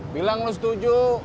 bilang lo setuju